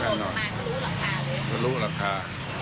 แล้วนี่ก็วิ่งกระโดดไปอีก